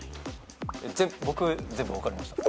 僕全部分かりました。